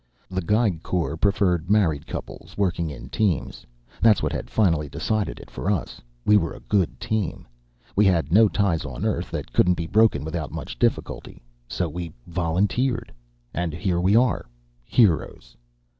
The Geig Corps preferred married couples, working in teams. That's what had finally decided it for us we were a good team. We had no ties on Earth that couldn't be broken without much difficulty. So we volunteered. And here we are. Heroes.